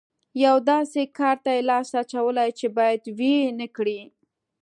یوه داسې کار ته یې لاس اچولی چې بايد ويې نه کړي.